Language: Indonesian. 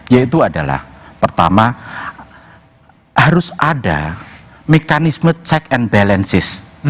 yaitu adalah pertama harus ada mekanisme check and balances